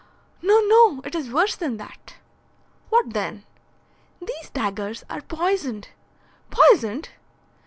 "No, no, it is worse than that." "What then?" "These daggers are poisoned." "Poisoned!"